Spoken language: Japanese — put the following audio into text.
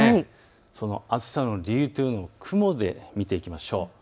その暑さの理由というのを雲で見ていきましょう。